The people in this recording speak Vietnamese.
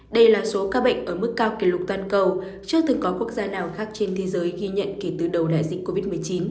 đây là số ca bệnh ở mức cao kỷ lục toàn cầu chưa từng có quốc gia nào khác trên thế giới ghi nhận kể từ đầu đại dịch covid một mươi chín